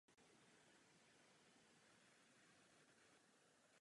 Publikoval řadu monografií a odborných článků zejména z dějin zemědělství a husitství.